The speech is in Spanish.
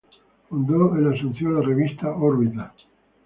Fundó en Asunción la revista "Órbita".